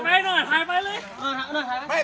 พ่อหนูเป็นใคร